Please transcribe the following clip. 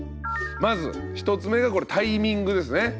まず１つ目がこれ「タイミング」ですね。